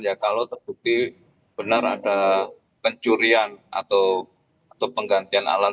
ya kalau terbukti benar ada pencurian atau penggantian alat